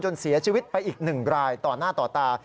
เสียชีวิตไปอีก๑รายต่อหน้าต่อตา